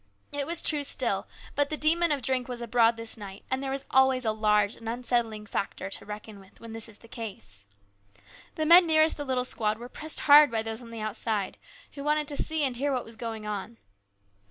It was true still, but the demon of drink was abroad this night, and there is always a large and unsettling factor to reckon with when that is the case. The men nearest the little squad were pressed hard by those on the outside, who wanted to see and hear what was going on.